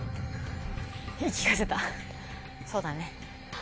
そうだね。